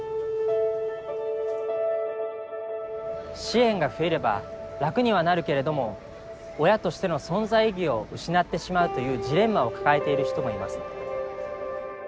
支援が増えれば楽にはなるけれども親としての存在意義を失ってしまうというジレンマを抱えている人もいます。